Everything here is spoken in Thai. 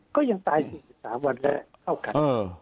ก็ยังตาย๔๓วันแรกเท่ากัน